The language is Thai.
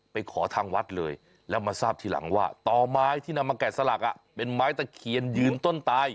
ไปขอทางวัดเลยแล้วมาทราบทีหลังว่าต่อไม้ที่นำมาแกะสลักเป็นไม้ตะเคียนยืนต้นตาย